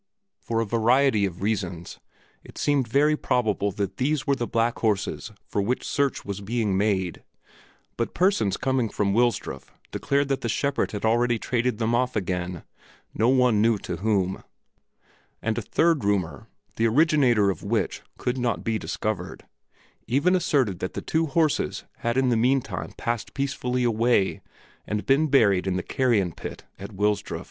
For a variety of reasons it seemed very probable that these were the black horses for which search was being made, but persons coming from Wilsdruf declared that the shepherd had already traded them off again, no one knew to whom; and a third rumor, the originator of which could not be discovered, even asserted that the two horses had in the mean time passed peacefully away and been buried in the carrion pit at Wilsdruf.